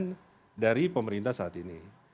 jadi perhatian dari pemerintah saat ini